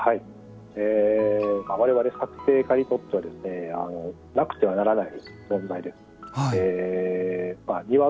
われわれ作庭家にとってはなくてはならない存在です。